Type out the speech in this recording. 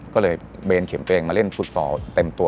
ก็เลยเบนเขียนเปลี่ยนมาเล่นฟุตซอลเต็มตัว